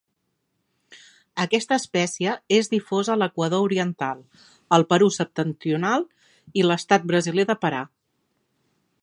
Aquesta espècie és difosa a l'Equador oriental, el Perú septentrional i l'estat brasiler de Pará.